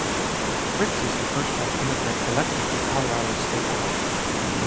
Ricks is the first Black immigrant elected to Colorado’s Statehouse.